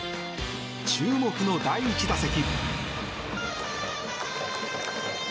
注目の第１打席。